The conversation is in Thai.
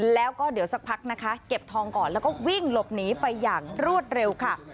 แล้วก็เดี๋ยวสักพักนะคะเก็บทองก่อนแล้วก็วิ่งหลบหนีไปอย่างรวดเร็วค่ะ